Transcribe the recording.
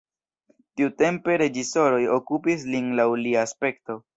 Tiutempe reĝisoroj okupis lin laŭ lia aspekto.